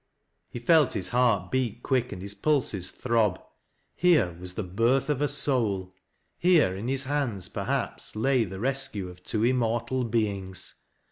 " He felt his heart beat quick, and his pulses throb. Here was the birth of a soul ; here in his hands perhaps lay the fescue of twq immortal beings.